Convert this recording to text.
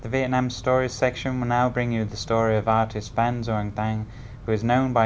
việt nam sẽ là những chia sẻ của họa sĩ văn dương thành người vẫn được bạn bè quốc tế gọi bằng một cái tên chiều mến người kết nối văn hóa đông tây